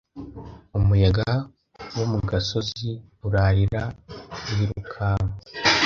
Umuyaga wo mu gasozi urarira wirukanka